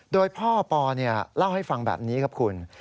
โดยพ่อปอเล่าให้ฟังแบบนี้ครับคุณ